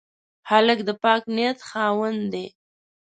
هلک د پاک نیت خاوند دی.